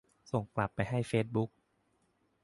ส่งกลับไปให้เฟซบุ๊ก